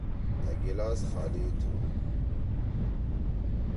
أ گلاس خالی تُھو۔